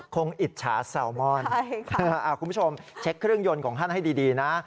อิจฉาแซลมอนคุณผู้ชมเช็คเครื่องยนต์ของท่านให้ดีนะ